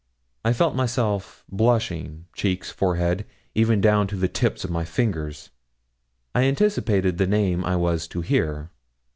I felt myself blushing cheeks, forehead, even down to the tips of my fingers. I anticipated the name I was to hear.